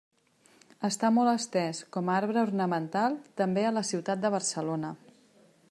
Està molt estès com a arbre ornamental, també a la ciutat de Barcelona.